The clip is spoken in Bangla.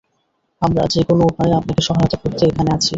আমরা যেকোন উপায়ে আপনাকে সহায়তা করতে এখানে আছি।